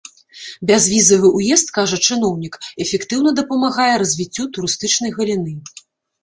Бязвізавы ўезд, кажа чыноўнік, эфектыўна дапамагае развіццю турыстычнай галіны.